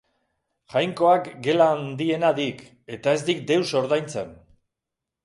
Jainkoak gela handiena dik eta ez dik deus ordaintzen.